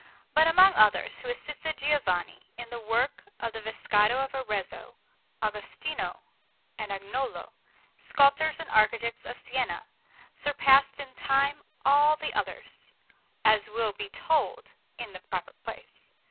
But among others who assisted Giovanni in the work of the Vescovado in Arezzo, Agostino and Agnolo, sculptors and architects of Siena, surpassed in time all the others, as will be told in the proper place.